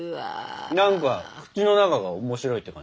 何か口の中が面白いって感じ。